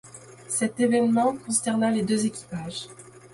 Cet événement consterna les deux équipages.